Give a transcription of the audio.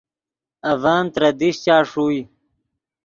اڤن ترے دیشچا ݰوئے